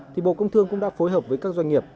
thì bộ công thương cũng đã phối hợp với các doanh nghiệp